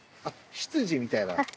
あっ執事みたいな？